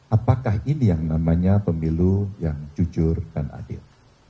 apakah ini yang namanya pemilu yang jujur dan adil